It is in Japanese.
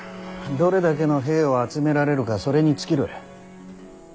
どれだけの兵を集められるかそれに尽きる。